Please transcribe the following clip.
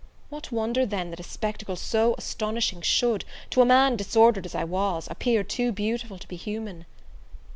What wonder, then, that a spectacle so astonishing should, to a man disordered as I was, appear too beautiful to be human?